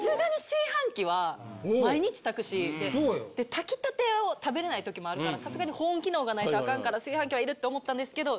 炊き立てを食べれない時もあるからさすがに保温機能がないとアカンから炊飯器はいるって思ったんですけど。